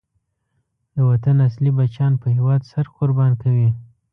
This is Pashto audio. د وطن اصلی بچیان په هېواد سر قربان کوي.